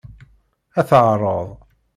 Ad teɛreḍ.